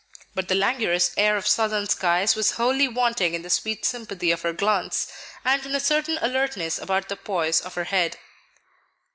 But the languorous air of Southern skies was wholly wanting in the sweet sympathy of her glance, and in a certain alertness about the poise of her head.